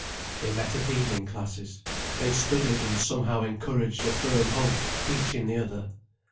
They met at evening classes, they studied and somehow encouraged a firm hope each in the other.